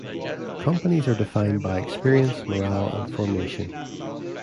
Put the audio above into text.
Companies are defined by experience, morale and formation.